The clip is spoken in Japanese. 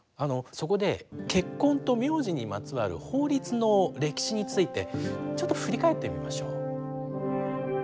そこで結婚と名字にまつわる法律の歴史についてちょっと振り返ってみましょう。